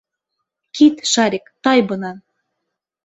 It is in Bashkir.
Кит, Шарик, тай бынан!